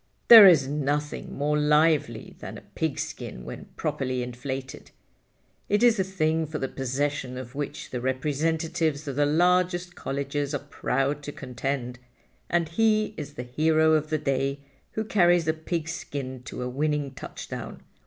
There is nothing more lively than a pigskin when properly inflated. It is a thing for the possession of which the representatives of the largest colleges are proud to contend, and he is the hero of the day who carries the pigskin to a winning touchdown.